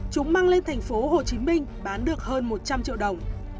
chúng mang lên thành phố hồ chí minh bán được hơn một trăm linh triệu đồng